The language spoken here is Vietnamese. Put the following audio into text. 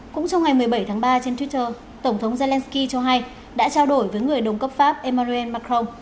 cũng trong ngày một mươi bảy tháng ba trên twitter tổng thống zelensky cho hay đã trao đổi với người đồng cấp pháp emmanuel macron